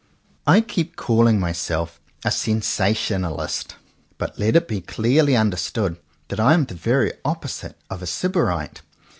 I keep calling myself a "sensationalist," but let it be clearly understood that I am the very opposite of a Sybarite.